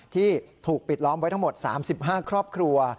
ที่ถูกปิดล้อมไว้ทั้งหมด๓๕ครอบครัว